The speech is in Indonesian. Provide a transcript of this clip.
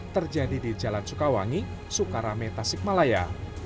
terjadi di jalan sukawangi sukarame tasik malaya